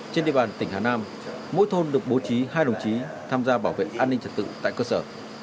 trên địa bàn tỉnh hà nam mỗi thôn được bố trí hai đồng chí tham gia bảo vệ an ninh trật tự tại cơ sở